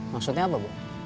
maksudnya apa bu